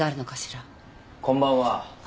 こんばんは。